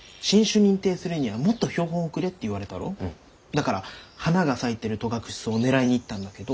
だから花が咲いてる戸隠草を狙いに行ったんだけど。